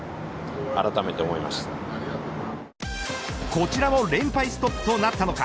こちらも連敗ストップとなったのか。